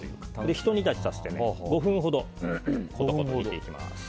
ひと煮立ちさせて５分ほどコトコト煮ていきます。